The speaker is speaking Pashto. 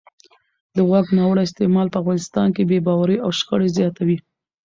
د واک ناوړه استعمال په افغانستان کې بې باورۍ او شخړې زیاتوي